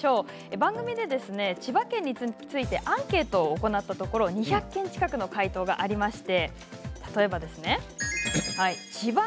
番組では事前に千葉県についてのアンケートを行ったところ２００件近くの回答がありました。